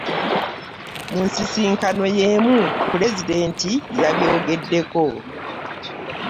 Mu nsisinkano y'emu pulezidenti yabyogeddeko.